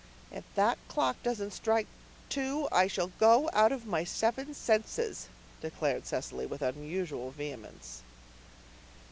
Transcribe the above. "If that clock doesn't soon strike two I shall go out of my seven senses," declared Cecily with unusual vehemence.